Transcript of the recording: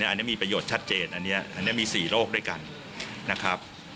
อันนี้มีประโยชน์ชัดเจนอันนี้มี๔โรคด้วยกันนะครับ